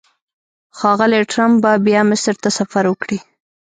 ښاغلی ټرمپ به بیا مصر ته سفر وکړي.